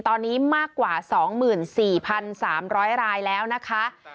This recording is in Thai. ตอนนี้มากกว่า๒๔๓๐๐รายแล้วนะคะ